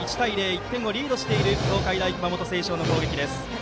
１点をリードしている東海大熊本星翔の攻撃です。